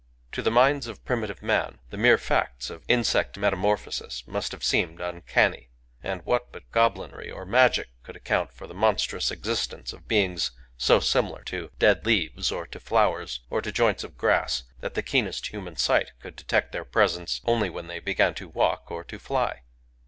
To the minds of primi tive men, the mere facts of insect metamorphosis must have seemed uncanny; and what but gob linry or magic could account for the monstrous existence of beings so similar to dead leaves, or to flowers, or to joints of grass, that the keenest human sight could detect their presence only when they began to walk or to fly?